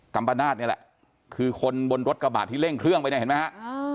ัมปนาศนี่แหละคือคนบนรถกระบาดที่เร่งเครื่องไปเนี่ยเห็นไหมฮะ